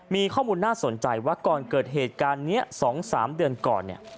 มีข้อมูลน่าสนใจว่าก่อนเกิดเหตุการณ์นี้๒๓เดือนก่อนเนี่ย